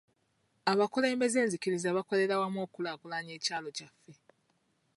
Abakulembeze b'nzikiriza bakolera wamu okukulaakulanya ekyalo kyaffe.